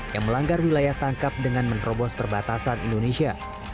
yang melanggar wilayah tangkap dengan menerobos perbatasan indonesia